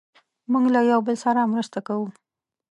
موږ له یو بل سره مرسته کوو.